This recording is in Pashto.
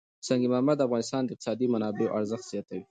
سنگ مرمر د افغانستان د اقتصادي منابعو ارزښت زیاتوي.